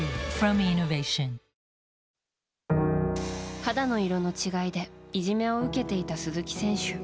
肌の色の違いでいじめを受けていた鈴木選手。